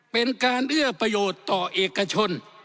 เป็นการเอื้อประโยชน์ต่อเอกชน